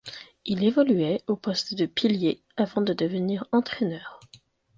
Il évoluait au poste de pilier avant de devenir entraîneur.